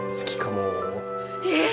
えっ！？